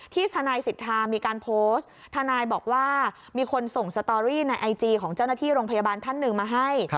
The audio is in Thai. ทนายสิทธามีการโพสต์ทนายบอกว่ามีคนส่งสตอรี่ในไอจีของเจ้าหน้าที่โรงพยาบาลท่านหนึ่งมาให้